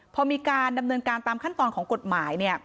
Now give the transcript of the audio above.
พอมีการดำเนินการตามขั้นตอนของกฎหมาย